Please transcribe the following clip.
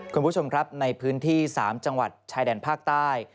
คุณผู้ชมครับในพื้นที่๓จังหวัดชายแดนภาคใต้